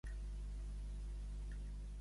Què han exigit les autoritats espanyoles?